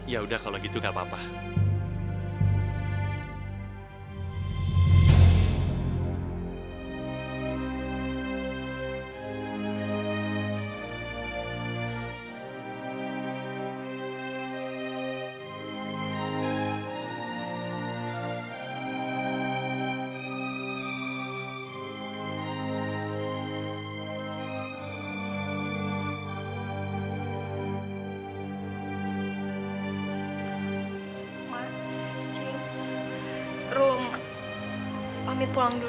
ya udah kalau gitu nggak apa apa